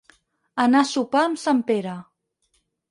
Anar a sopar amb sant Pere.